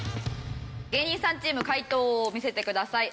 芸人さんチーム解答を見せてください。